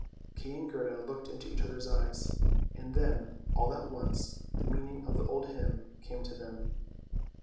Kay and Gerda looked into each other's eyes, and then all at once the meaning of the old hymn came to them.